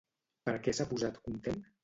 Per què s'ha posat content?